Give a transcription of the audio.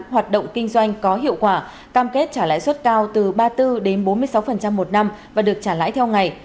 hoạt động kinh doanh có hiệu quả cam kết trả lãi suất cao từ ba mươi bốn bốn mươi sáu một năm và được trả lãi theo ngày